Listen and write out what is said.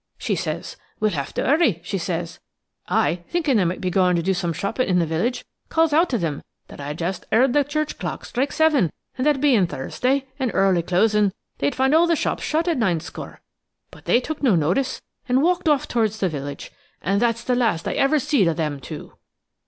She says: 'We'll have to 'urry,' says she. I, thinkin' they might be goin' to do some shoppin' in the village, calls out to them that I'd just 'eard the church clock strike seven, and that bein' Thursday, and early closin', they'd find all the shops shut at Ninescore. But they took no notice, and walked off towards the village, and that's the last I ever seed o' them two."